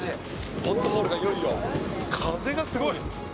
ポットホールがいよいよ、風がすごい。